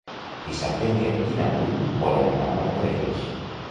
Dissabte en Quer i na Bruna volen anar a Martorelles.